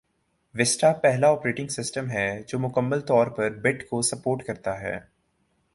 vista پہلا operating system ہے جو مکمل طور پر بٹ کو سپورٹ کرتا ہے